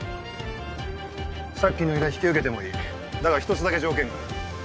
さっきの依頼引き受けてもいいだが１つだけ条件がある。